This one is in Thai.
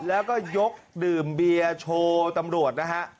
แล้วก็ยกดื่มเบียร์โชว์ตำรวจนะฮะ